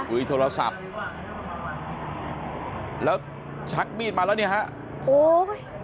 คุยโทรศัพท์แล้วชักมีดมาแล้วเนี่ยฮะโอ้ย